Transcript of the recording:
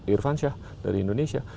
irfan shah dari indonesia